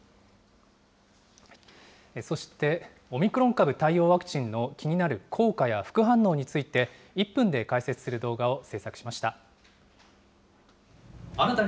そして、オミクロン株対応ワクチンの気になる効果や副反応について、１分で解説する動画を制作しました。